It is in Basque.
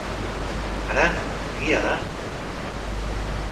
Hara, egia da!